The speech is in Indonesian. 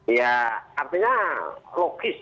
ya artinya logis